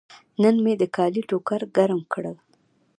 نن مې د کالي ټوکر ګرم کړل.